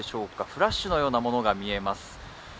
フラッシュのようなものが見えます。